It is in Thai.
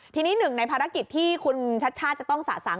ทีนี้หนึ่งในภารกิจที่คุณชัดชาติจะต้องสะสาง